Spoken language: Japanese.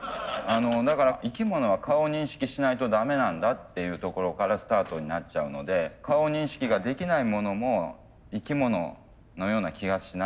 生き物は顔認識しないと駄目なんだっていうところからスタートになっちゃうので顔認識ができないものも生き物のような気がしないかっていうことです。